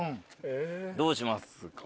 ・どうしますか？